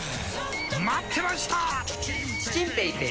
待ってました！